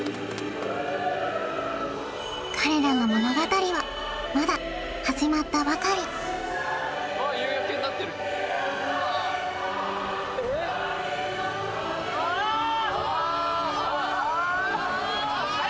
彼らの物語はまだ始まったばかり・夕焼けになってるああ！